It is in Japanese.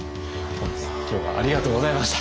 本当に今日はありがとうございました。